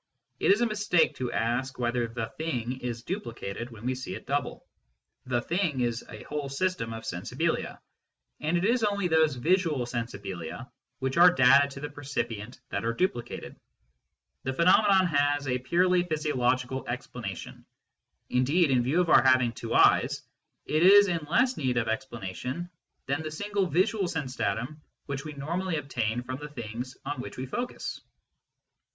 It is a mistake to ask whether the " thing " is duplicated when we see it double. The " thing " is a whole system of " sensibilia," and it is only those visual " sensibilia " which are data to the per cipient that are duplicated. The phenomenon has a purely physiological explanation ; indeed, in view of our having two eyes, it is in less need of explanation than the single visual sense datum which we normally obtain from the things on which we focus.